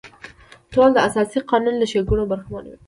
ټول د اساسي قانون له ښېګڼو برخمن وي.